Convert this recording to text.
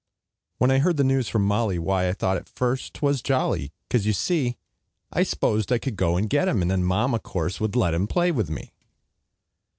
When I heard the news from Molly, Why, I thought at first 't was jolly, 'Cause, you see, I s'posed I could go and get him And then Mama, course, would let him Play with me.